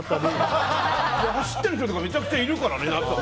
いや、走ってる人とかめちゃくちゃいるからね、夏は。